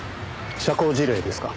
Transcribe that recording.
社交辞令ですか？